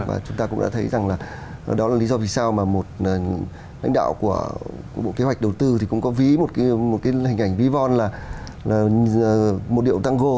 và chúng ta cũng đã thấy rằng là đó là lý do vì sao mà một lãnh đạo của bộ kế hoạch đầu tư thì cũng có ví một cái hình ảnh ví von là một điệu tăng hồ